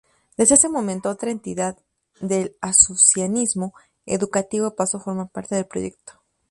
Desde ese momento, otra entidad del asociacionismo educativo pasó a formar parte del proyecto.